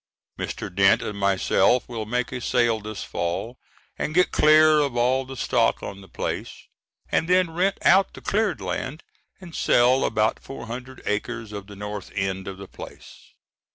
Mr. Dent and myself will make a sale this fall and get clear of all the stock on the place, and then rent out the cleared land and sell about four hundred acres of the north end of the place.